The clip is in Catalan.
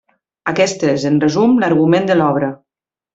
Aquest és, en resum, l'argument de l'obra.